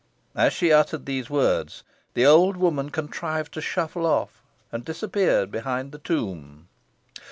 As she uttered these words, the old woman contrived to shuffle off, and disappeared behind the tomb.